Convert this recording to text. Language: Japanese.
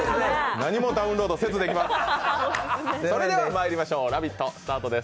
何もダウンロードせずできます。